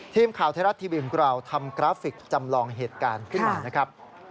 ทีมข่าวไทยรัฐทีวีของเราทำกราฟิกจำลองเหตุการณ์ขึ้นมานะครับ